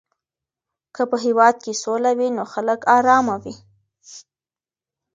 که په هېواد کې سوله وي نو خلک آرامه وي.